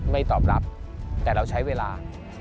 ตอบรับแต่เราใช้เวลา